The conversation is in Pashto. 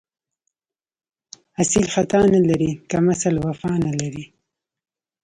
اصیل خطا نه لري، کم اصل وفا نه لري